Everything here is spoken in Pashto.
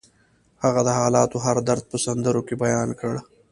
هغه د حالاتو هر درد په سندرو کې بیان کړ